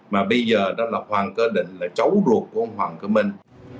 mà bây giờ đó là hoàng cơ định là cháu ruột của ông hoàng cứ minh